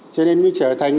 cho nên mới trở thành